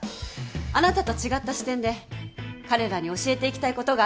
あなたと違った視点で彼らに教えていきたいことがあるんです。